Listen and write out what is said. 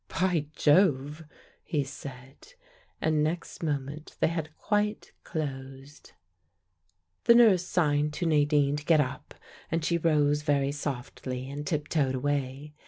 "By Jove!" he said, and next moment they had quite closed. The nurse signed to Nadine to get up and she rose very softly and tiptoed away.